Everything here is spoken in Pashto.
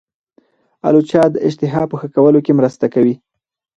الوچه د اشتها په ښه کولو کې مرسته کوي.